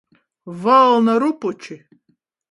Valna rupuči!